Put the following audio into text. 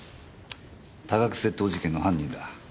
多額窃盗事件の犯人だ。